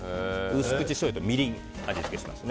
薄口しょうゆとみりんで味付けします。